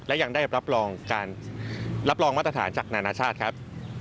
และยังได้รับรองมัตถาฐานจากนานาชาติครับ